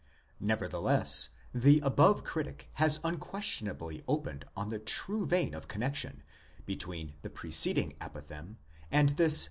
Nevertheless, the above critic has unquestionably opened on the true vein of connexion between the preceding apothegm and this.